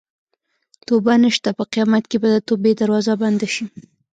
توبه نشته په قیامت کې به د توبې دروازه بنده شي.